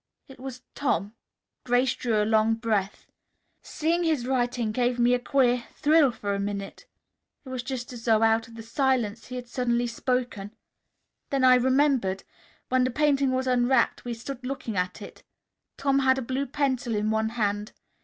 "It was Tom." Grace drew a long breath. "Seeing his writing gave me a queer thrill for a minute. It was just as though out of the silence he had suddenly spoken. Then I remembered. When the painting was unwrapped we stood looking at it. Tom had a blue pencil in one hand.